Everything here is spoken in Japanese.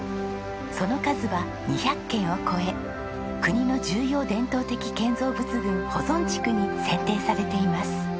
その数は２００軒を超え国の重要伝統的建造物群保存地区に選定されています。